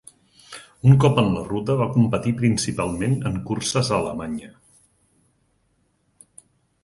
Un cop en la ruta va competir principalment en curses a Alemanya.